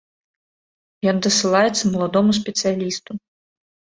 Ён дасылаецца маладому спецыялісту.